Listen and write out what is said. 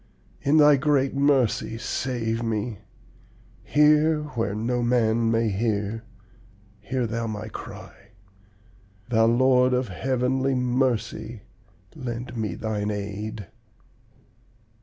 In Thy great mercy, save me! Hear where no man may hear, hear Thou my cry; Thou Lord of heavenly mercy, lend me thine aid!'